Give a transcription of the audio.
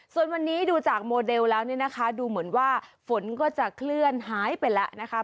ส่วนวันนี้ดูจากโมเดลแล้วเนี่ยนะคะดูเหมือนว่าฝนก็จะเคลื่อนหายไปแล้วนะคะ